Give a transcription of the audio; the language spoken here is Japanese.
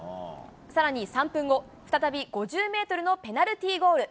さらに３分後、再び５０メートルのペナルティーゴール。